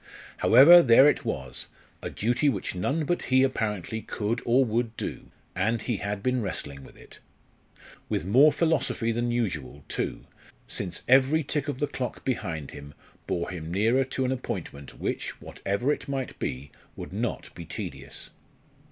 However, there it was, a duty which none but he apparently could or would do, and he had been wrestling with it. With more philosophy than usual, too, since every tick of the clock behind him bore him nearer to an appointment which, whatever it might be, would not be tedious.